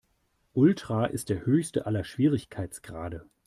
Ultra ist der höchste aller Schwierigkeitsgrade.